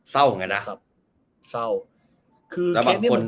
เจ้าเหมือนกันนะ